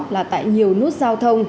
là tại nhiều nút giao thông